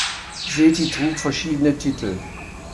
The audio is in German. Seti trug verschiedene Titel.